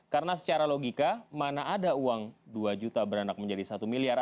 karena secara logika mana ada uang dua juta beranak menjadi satu miliar